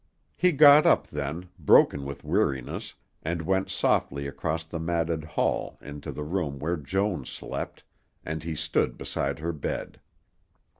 He got up then, broken with weariness, and went softly across the matted hall into the room where Joan slept, and he stood beside her bed.